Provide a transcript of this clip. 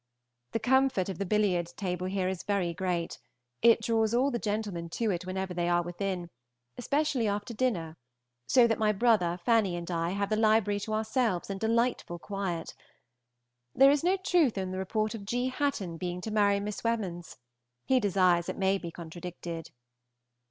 ... The comfort of the billiard table here is very great; it draws all the gentlemen to it whenever they are within, especially after dinner, so that my brother, Fanny, and I have the library to ourselves in delightful quiet. There is no truth in the report of G. Hatton being to marry Miss Wemyss. He desires it may be contradicted.